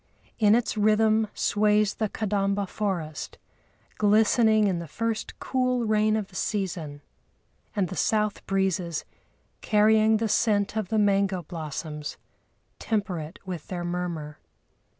In its rhythm sways the Kadamba forest, glistening in the first cool rain of the season; and the south breezes, carrying the scent of the mango blossoms, temper it with their murmur.